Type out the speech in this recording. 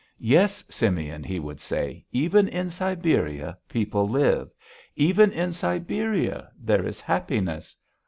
'Yes, Simeon,' he would say. 'Even in Siberia people live. Even in Siberia there is happiness.